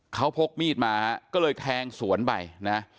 เขาพกมีดมาฮะก็เลยแทงสวนไปนะ